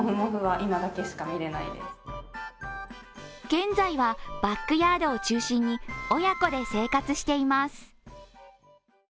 現在はバックヤードを中心に親子で生活しています。